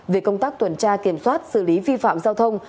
về công tác tuần tra kiểm soát xử lý vi phạm giao thông